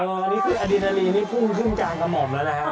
อันนี้คืออดินาลีนี่พุ่งขึ้นกลางกระหม่อมแล้วนะฮะ